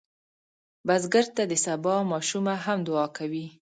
بزګر ته د سبا ماشومه هم دعا کوي